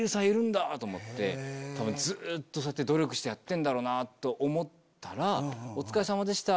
ずっと努力してやってるんだろうなと思ったらお疲れさまでした！